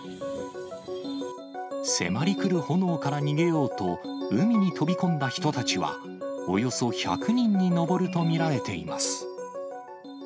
迫り来る炎から逃げようと、海に飛び込んだ人たちは、およそ１００人に上ると見られています。